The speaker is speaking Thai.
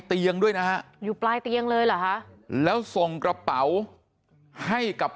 เตียงด้วยนะฮะอยู่ปลายเตียงเลยเหรอคะแล้วส่งกระเป๋าให้กับ